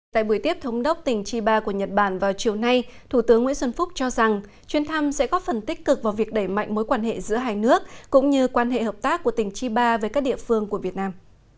tại buổi tiếp thống đốc tỉnh chiba của nhật bản vào chiều nay thủ tướng nguyễn xuân phúc cho rằng chuyến thăm sẽ góp phần tích cực vào việc đẩy mạnh mối quan hệ giữa hai nước cũng như quan hệ hợp tác của tỉnh chiba với các địa phương của việt nam